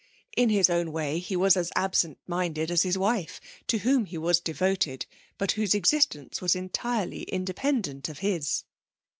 In his own way he was as absent minded as his wife, to whom he was devoted, but whose existence was entirely independent of his.